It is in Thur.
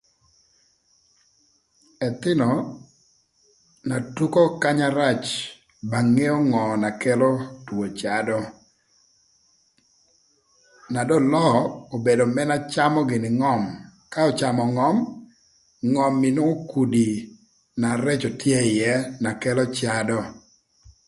Ëthïnö na tuko kanya rac ba ngeo ngö na kelo two cadö, na dong löö obedo ën na camö gïnï ngöm, ka öcamö ngöm, ngöm inwongo kudi na reco tye ïë na kelo cadö